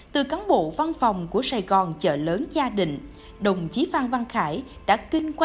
từ cán bộ văn phòng của sài gòn chợ lớn gia đình đồng chí phan văn khải đã kinh qua